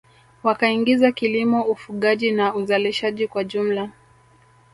Wakaingiza kilimo ufugaji na uzalishaji kwa jumla